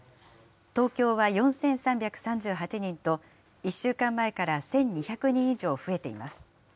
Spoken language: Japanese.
東京は４３３８人と、１週間前から１２００人以上増えています。